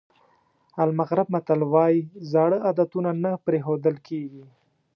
د المغرب متل وایي زاړه عادتونه نه پرېښودل کېږي.